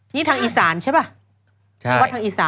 นี่ทางอีสานใช่ป่ะ